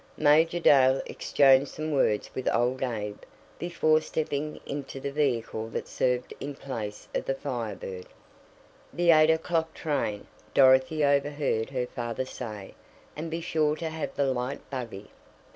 Major Dale exchanged some words with old Abe before stepping into the vehicle that served in place of the Fire Bird. "The eight o'clock train," Dorothy overheard her father say. "And be sure to have the light buggy."